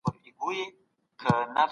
خدایانو ته چاپلوسي کول یو پخوانی دود دی.